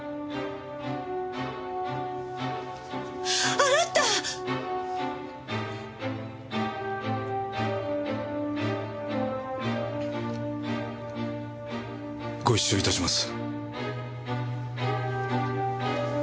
あなた！ご一緒致します。